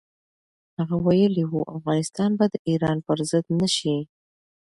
هغه ویلي و، افغانستان به د ایران پر ضد نه شي.